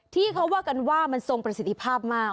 ที่เขาว่ากันว่ามันทรงประสิทธิภาพมาก